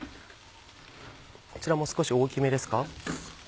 こちらも少し大きめですか？